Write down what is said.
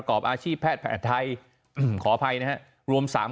ขอบคุณครับ